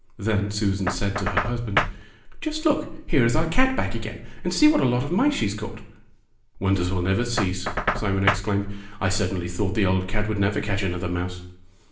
Then Susan said to her husband, ''Just look, here is our old cat back again, and see what a lot of mice she has caught." "Wonders will never cease!" Simon ex claimed. "I certainly thought the old cat would never catch another mouse."